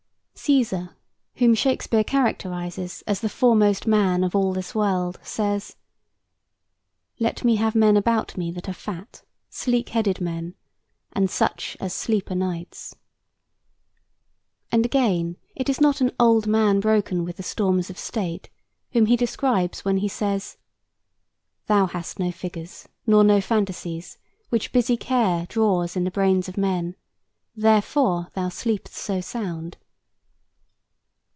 Caesar, whom Shakespeare characterizes as "the foremost man of all this world," says: "Let me have men about me that are fat; Sleek headed men, and such as sleep o' nights." And again, it is not an "old man broken with the storms of state" whom he describes when he says: "Thou hast no figures nor no fantasies Which busy care draws in the brains of men; Therefore thou sleep'st so sound."